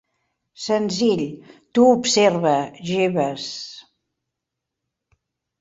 Senzill, tu observa, Jeeves.